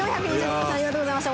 号線ありがとうございました。